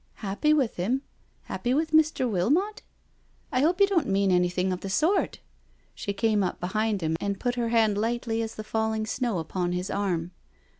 " Happy with him? Happy with Mr. Wilmot? I hope you don't mean anything of the sort." She came up behind him and put her hand lightly as the falling snow, upon his arm.